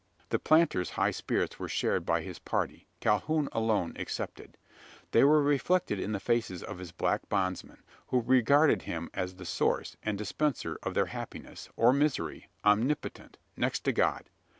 The planter's high spirits were shared by his party, Calhoun alone excepted. They were reflected in the faces of his black bondsmen, who regarded him as the source, and dispenser, of their happiness, or misery omnipotent next to God.